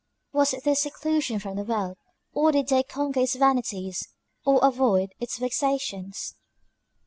Was this seclusion from the world? or did they conquer its vanities or avoid its vexations?